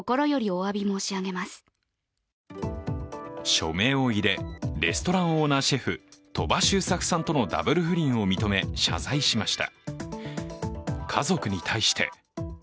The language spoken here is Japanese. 署名を入れ、レストランオーナーシェフ、鳥羽周作さんとのダブル不倫を認め、謝罪しました。